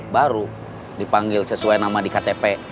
baru dipanggil sesuai nama di ktp